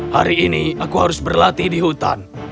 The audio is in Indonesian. hari ini aku harus berlatih di hutan